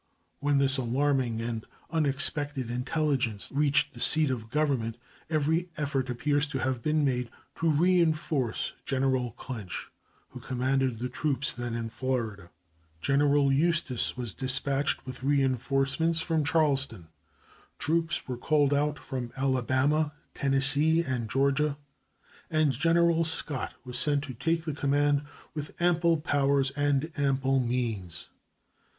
When this alarming and unexpected intelligence reached the seat of Government, every effort appears to have been made to reenforce General Clinch, who commanded the troops then in Florida. General Eustis was dispatched with reenforcements from Charleston, troops were called out from Alabama, Tennessee, and Georgia, and General Scott was sent to take the command, with ample powers and ample means.